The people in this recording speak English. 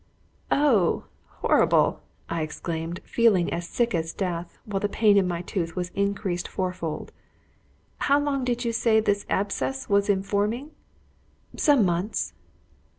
"Oh, horrible!" I exclaimed, feeling as sick as death, while the pain in my tooth was increased fourfold. "How long did you say this abscess was in forming?" "Some months."